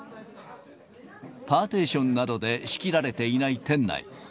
パーテーションなどで仕切られていない店内。